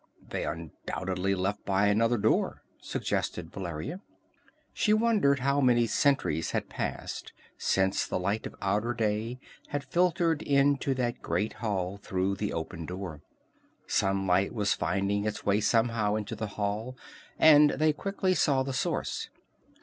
"They undoubtedly left by another door," suggested Valeria. She wondered how many centuries had passed since the light of outer day had filtered into that great hall through the open door. Sunlight was finding its way somehow into the hall, and they quickly saw the source.